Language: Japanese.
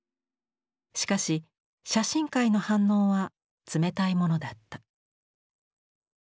しかし写真界の反応は冷たいものだった。